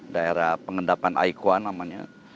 daerah pengendapan aikoan namanya